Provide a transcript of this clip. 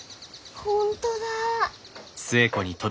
本当だ。